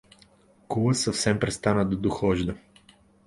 Кула съвсем престана да дохожда.